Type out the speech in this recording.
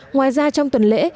ngoài ra trong tuần lễ